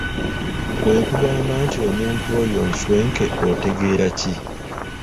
Bwe nkugamba nti omuntu oyo nswenke otegeera ki?